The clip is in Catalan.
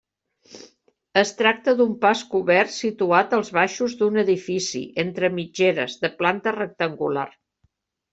Es tracta d'un pas cobert situat als baixos d'un edifici entre mitgeres de planta rectangular.